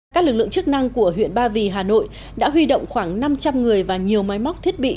các lực lượng chức năng của huyện ba vì hà nội đã huy động khoảng năm trăm linh người và nhiều máy móc thiết bị